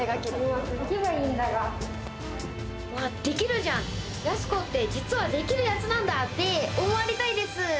できるじゃんやす子って実はできるやつなんだって思われたいです